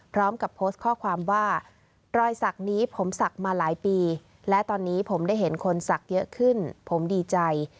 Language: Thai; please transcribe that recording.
พร้อมกับโพสต์ข้อความว่ารอยสักนี้ผมศักดิ์มาหลายปีและตอนนี้ผมได้เห็นคนศักดิ์เยอะขึ้นผมดีใจ